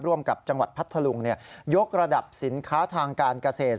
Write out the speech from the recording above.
ร่วมกับจังหวัดพัทธลุงยกระดับสินค้าทางการเกษตร